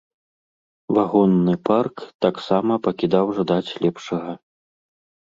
Вагонны парк таксама пакідаў жадаць лепшага.